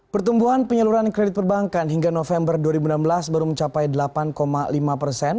pertumbuhan penyaluran kredit perbankan hingga november dua ribu enam belas baru mencapai delapan lima persen